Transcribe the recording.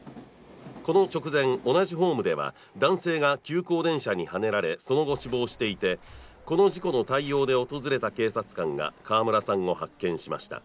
この直前、同じホームでは男性が急行電車にはねられその後、死亡していて、この事故の対応で訪れた警察官が川村さんを発見しました。